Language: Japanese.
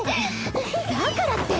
んんだからって！